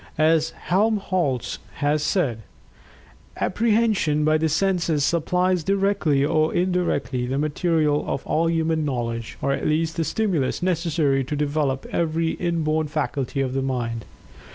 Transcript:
As Helmholtz has said, "Apprehension by the senses supplies directly or indirectly, the material of all human knowledge, or at least the stimulus necessary to develop every inborn faculty of the mind."